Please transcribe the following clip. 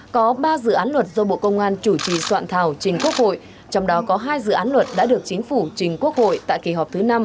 có ba dự án luật do bộ công an chủ trì soạn thảo trình quốc hội trong đó có hai dự án luật đã được chính phủ trình quốc hội tại kỳ họp thứ năm